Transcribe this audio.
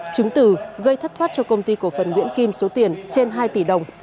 chứng từ gây thất thoát cho công ty cổ phần nguyễn kim số tiền trên hai tỷ đồng